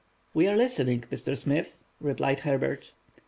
"We are listening, Mr. Smith," replied Herbert.